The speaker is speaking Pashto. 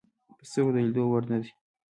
په سترګو د لیدلو وړ نه دي.